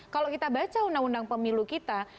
kalau kita baca undang undang pemilu kita